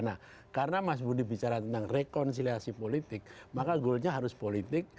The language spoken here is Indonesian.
nah karena mas budi bicara tentang rekonsiliasi politik maka goalnya harus politik